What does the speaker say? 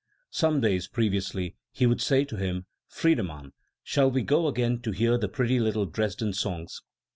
Some days previously he would say to him "Friedemann, shall we go again to hear the pretty little Dresden songs?"